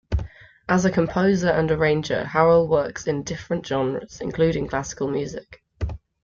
As a composer and arranger, Harrell works in different genres, including classical music.